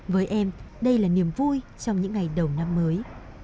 với em đây là niềm vui trong những ngày đầu năm mới